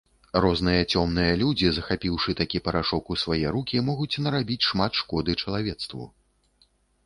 Розныя цёмныя людзі, захапіўшы такі парашок у свае рукі, могуць нарабіць шмат шкоды чалавецтву.